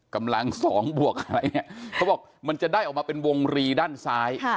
กำลังสองบวกอะไรเนี่ยเขาบอกมันจะได้ออกมาเป็นวงรีด้านซ้าย